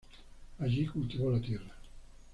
Allí cultivó la tierra.